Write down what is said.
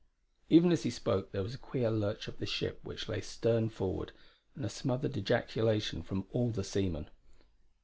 Even as he spoke there was a queer lurch of the ship which lay stern forward, and a smothered ejaculation from all the seamen.